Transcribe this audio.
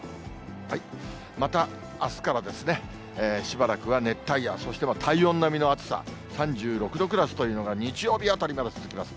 またあすからしばらくは熱帯夜、そして体温並みの暑さ、３６度クラスというのが、日曜日あたりまで続きます。